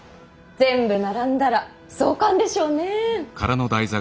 全部並んだら壮観でしょうね。